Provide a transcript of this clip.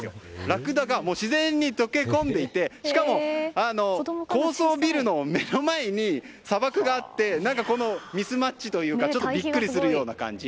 ラクダが自然に溶け込んでいてしかも高層ビルの目の前に砂漠があってミスマッチというかビックリするような感じ。